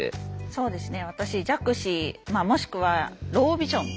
そうですね